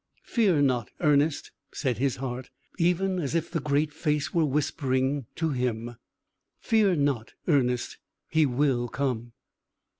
"Fear not, Ernest," said his heart, even as if the Great Face were whispering him "fear not, Ernest; he will come."